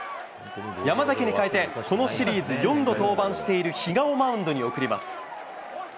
山崎にかえて、このシリーズ、４度登板している比嘉をマウンドに送ります。